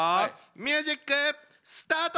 ミュージックスタート！